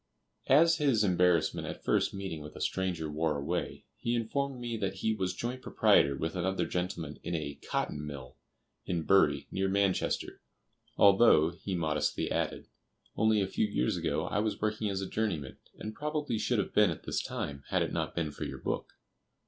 As his embarrassment at first meeting with a stranger wore away, he informed me that he was joint proprietor with another gentleman in a "cotton mill" in Bury, near Manchester, "although," he modestly added, "only a few years ago I was working as a journeyman, and probably should have been at this time, had it not been for your book."